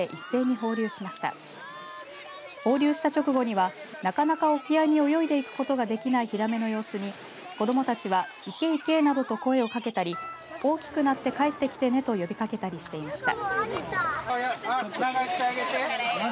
放流した直後には、なかなか沖合に泳いでいくことができないヒラメの様子に子どもたちは行け行けなどと声をかけたり大きくなって帰ってきてねと呼びかけたりしていました。